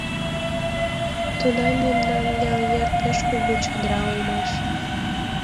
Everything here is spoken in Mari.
Тунам мемнан ял йыр пеш кугу чодыра улмаш.